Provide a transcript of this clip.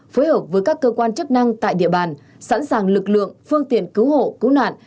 phối hợp với các cơ quan chức năng tại địa bàn sẵn sàng lực lượng phương tiện cứu hộ cứu nạn